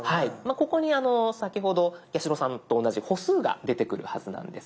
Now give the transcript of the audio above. ここに先ほど八代さんと同じ歩数が出てくるはずなんです。